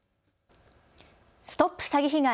ＳＴＯＰ詐欺被害！